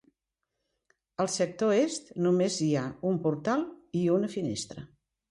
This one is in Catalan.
Al sector est només hi ha un portal i una finestra.